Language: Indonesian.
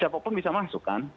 siapa pun bisa masuk kan